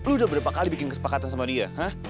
lo udah berapa kali bikin kesepakatan sama dia ha